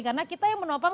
karena kita yang menopang